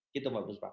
gitu mbak bujepang